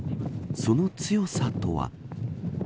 その強さとは。